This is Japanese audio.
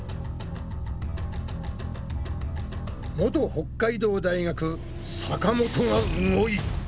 元北海道大学坂本が動いた。